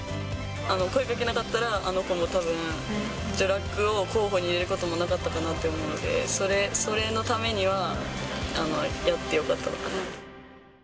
声かけなかったら、あの子もたぶん、女ラクを候補に入れることもなかったかなって思うので、それのためには、やってよかったのかなって。